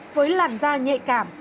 với làn da nhạy cảm